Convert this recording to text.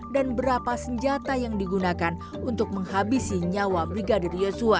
dan berapa senjata yang digunakan untuk menghabisi nyawa brigadir yosua